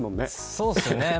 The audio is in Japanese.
そうですね